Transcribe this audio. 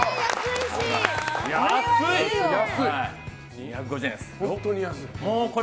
２５０円です。